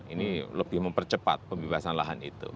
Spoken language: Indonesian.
ini lebih mempercepat pembebasan lahan itu